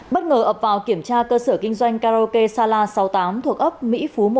bất ngờ ập vào kiểm tra cơ sở kinh doanh karaoke sala sáu mươi tám thuộc ấp mỹ phú một